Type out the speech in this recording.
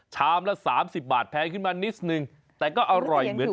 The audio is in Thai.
ชามละ๓๐บาทแพงขึ้นมานิดนึงแต่ก็อร่อยเหมือน